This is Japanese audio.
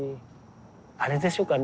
あれでしょうかね